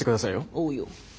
おうよ。